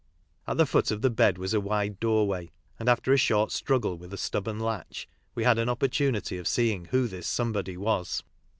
At the foot of the bed was a wide doorway, and, after a short struggle with a stubborn latch, we had an opportunity of seeing who this somebody was.